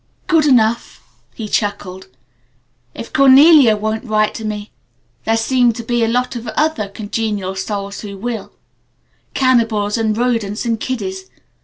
"Good enough!" he chuckled. "If Cornelia won't write to me there seem to be lots of other congenial souls who will cannibals and rodents and kiddies.